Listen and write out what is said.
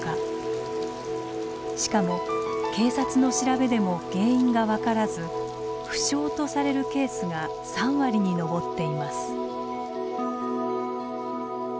しかも警察の調べでも原因が分からず不詳とされるケースが３割に上っています。